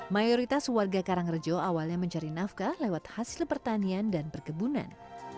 mayoritas warga karangrejo awalnya mencari nafkah lewat hasil pertanian dan perkebunan